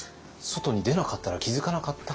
外に出なかったら気付かなかった？